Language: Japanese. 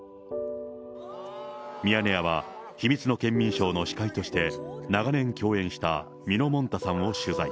ミヤネ屋は、秘密のケンミンＳＨＯＷの司会として、長年共演したみのもんたさんを取材。